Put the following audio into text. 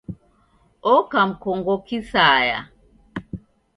Oka mkongo kisaya